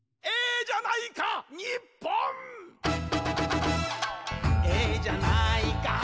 「ええじゃないか」